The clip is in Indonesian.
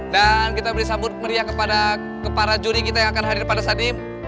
dan kita beri sambut meriah kepada para juri kita yang akan hadir pada saat ini